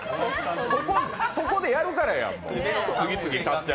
そこでやるからやん。